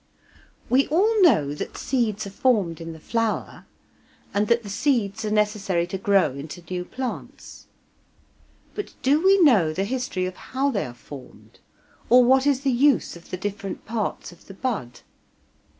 We all know that seeds are formed in the flower, and that the seeds are necessary to grow into new plants. But do we know the history of how they are formed, or what is the use of the different parts of the bud?